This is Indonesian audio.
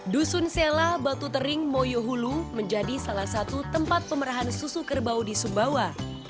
dusun sela batu tering moyohulu menjadi salah satu tempat pemerahan susu kerbau di sumbawa